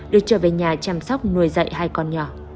được trở về nhà chăm sóc nuôi dạy hai con nhỏ